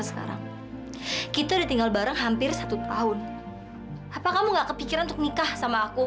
ya udah mas